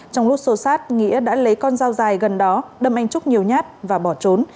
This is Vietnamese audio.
trong lúc xô sát nghĩa đã lấy con dao dài gần đó đâm anh trúc nhiều nhát và bỏ trốn